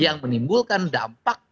yang menimbulkan dampak